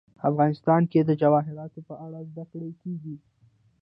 افغانستان کې د جواهرات په اړه زده کړه کېږي.